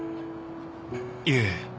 いえ。